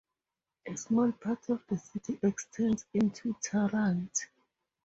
A small part of the city extends into Tarrant.